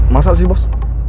masa sih bos